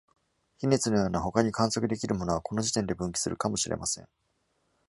比熱のような他に観測できるものは、この時点で分岐するかもしれません。